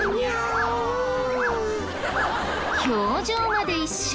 表情まで一緒。